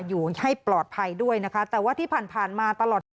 อยู่ให้ปลอดภัยด้วยนะคะแต่ว่าที่ผ่านมาตลอดจน